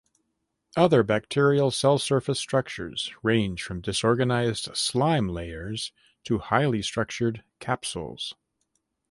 Other bacterial cell surface structures range from disorganised slime layers to highly structured capsules.